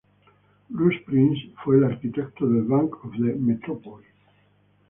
Bruce Price fue el arquitecto del Bank of the Metropolis.